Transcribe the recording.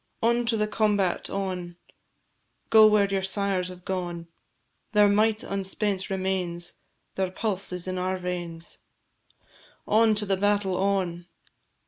On to the combat, on! Go where your sires have gone; Their might unspent remains, Their pulse is in our veins. On to the battle, on!